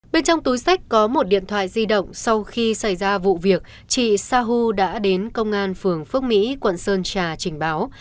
bên trong túi sách có một điện thoại di động sau khi xảy ra vụ việc chị sahu đã đến công an phường phước mỹ quận sơn trà trình báo